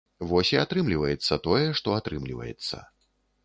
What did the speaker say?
Вось і атрымліваецца тое, што атрымліваецца.